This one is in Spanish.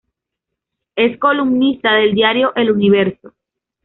Es columnista del diario "El Universo".